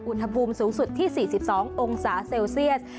อุณหภูมิสูงสุดที่๔๒องศาเซลเซียส